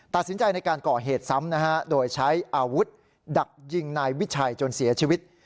ตัดสินใจในการก่อเหตุซ้ำนะฮะโดยใช้อาวุธดักยิงนายวิชัยจนเสียชีวิต